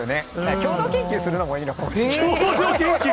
共同研究するのもいいかもしれない。